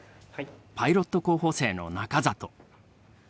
パイロット候補生の中里。